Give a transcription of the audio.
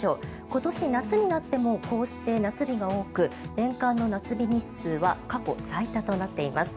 今年夏になってもこうして夏日が多く年間の夏日日数は過去最多となっています。